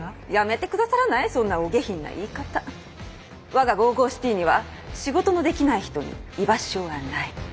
我がＧＯＧＯＣＩＴＹには仕事のできない人に居場所はない。